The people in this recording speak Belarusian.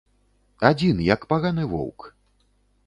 Адзін, як паганы воўк.